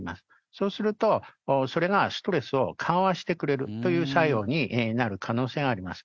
そうするとそれがストレスを緩和してくれるという作用になる可能性があります。